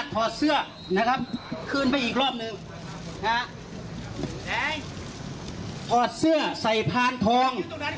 พอดเสื้อใส่พาร์นทอง